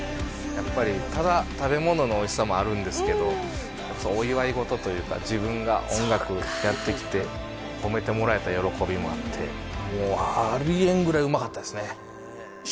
やっぱりただ食べ物のおいしさもあるんですけどお祝い事というか自分が音楽やってきて褒めてもらえた喜びもあってもうあり得んぐらいうまかったですね